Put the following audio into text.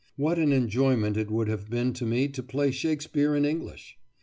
What an enjoyment it would have been to me to play Shakespeare in English!